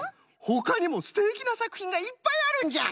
ほかにもすてきなさくひんがいっぱいあるんじゃ！